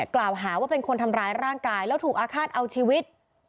กล่าวหาว่าเป็นคนทำร้ายร่างกายแล้วถูกอาฆาตเอาชีวิต